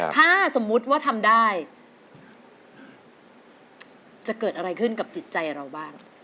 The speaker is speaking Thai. ถ้าสมมุติว่าทำได้จะเกิดอะไรขึ้นกับจิตใจเราบ้าง